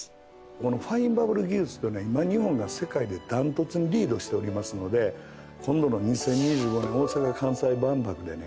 このファインバブル技術というのは今日本が世界で断トツにリードしておりますので今度の２０２５年大阪・関西万博でね